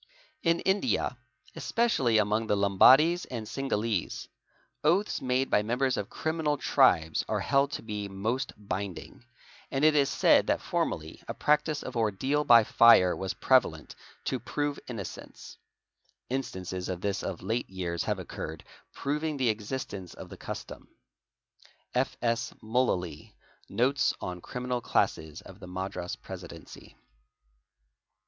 In India, especially among the Lumbadies and Singalies, oaths made ~ by members of criminal tribes are held to be most binding, and it is said — that formerly a practice of ordeal by fire was prevalent to prove inno — cence ; instances of this of late years have occurred, proving the existence — of the custom. (F.S.Mullaly '"' Notes on Criminal Classes of the a Presidency.